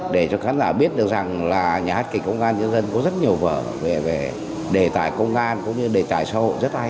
để cho khán giả biết được rằng là nhà hát kịch công an nhân dân có rất nhiều vở về đề tài công an cũng như đề tài xã hội rất hay